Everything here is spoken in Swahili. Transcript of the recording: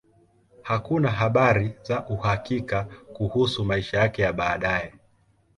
Hakuna habari za uhakika kuhusu maisha yake ya baadaye.